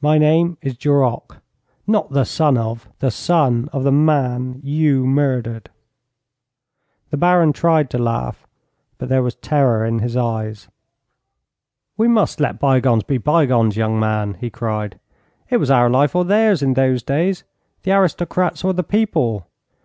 'My name is Duroc.' 'Not the son of ?' 'The son of the man you murdered.' The Baron tried to laugh, but there was terror in his eyes. 'We must let bygones be bygones, young man,' he cried. 'It was our life or theirs in those days: the aristocrats or the people.